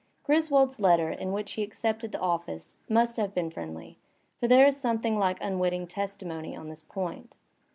Griswold's letter in which he accepted the office must have been friendly, for there is something like unwitting testimony on this point.